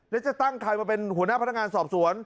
แล้วจะตั้งใครมาเป็นหัวหน้าพนักงานสอบสวน